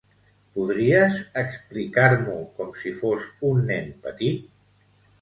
Podries explicar-m'ho com si fos un nen petit?